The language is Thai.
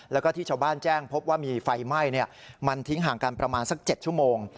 แล้วก็ที่ชาวบ้านแจ้งพบว่ามีไฟไหม้มันทิ้งห่างกันประมาณสัก๗ชั่วโมง